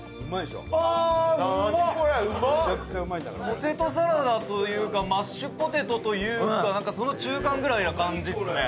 ポテトサラダというかマッシュポテトというかなんかその中間ぐらいな感じですね。